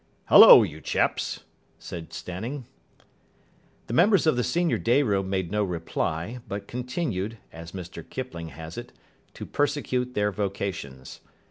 "Hullo, you chaps," said Stanning. The members of the senior day room made no reply, but continued, as Mr Kipling has it, to persecute their vocations.